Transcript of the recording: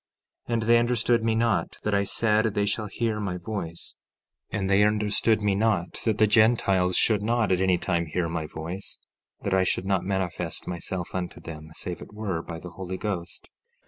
15:23 And they understood me not that I said they shall hear my voice; and they understood me not that the Gentiles should not at any time hear my voice—that I should not manifest myself unto them save it were by the Holy Ghost.